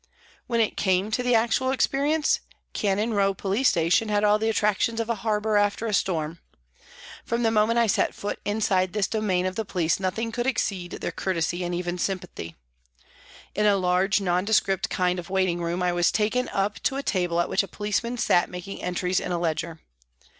When it came to actual experience, Cannon Row police station had all the attractions of a harbour after a storm. From the moment I set foot inside this domain of the police nothing could exceed their courtesy and even sympathy. In a large, nondescript kind of waiting room I was taken up to a table at which a policeman sat making entries in a ledger.